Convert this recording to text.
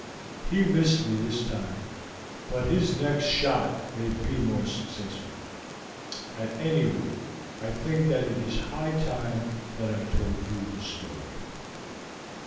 He missed me this time, but his next shot may be more successful, At any rate, I think that it is high time that I told you the story."